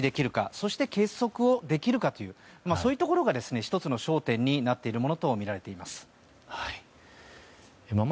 そして結束をできるかというそういったところが１つの焦点になっているものとみられています。